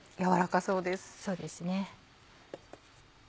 そうですね。